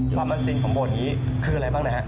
ความมั่นซินของโบสถนี้คืออะไรบ้างนะฮะ